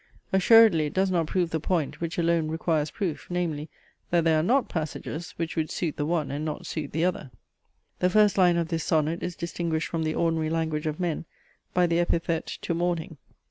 Assuredly it does not prove the point, which alone requires proof; namely, that there are not passages, which would suit the one and not suit the other. The first line of this sonnet is distinguished from the ordinary language of men by the epithet to morning.